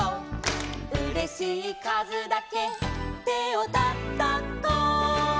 「うれしいかずだけてをたたこ」